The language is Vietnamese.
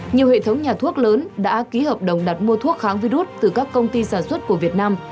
nhiều hệ thống nhà thuốc lớn đã ký hợp đồng đặt mua thuốc kháng virus từ các công ty sản xuất của việt nam